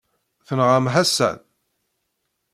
Tenɣam Ḥasan?